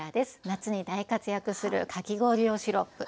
夏に大活躍するかき氷用シロップ。